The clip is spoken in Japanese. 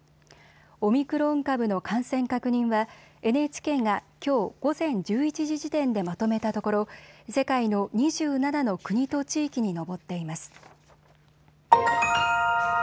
オミクロン株の感染確認はＮＨＫがきょう午前１１時時点でまとめたところ、世界の２７の国と地域に上っています。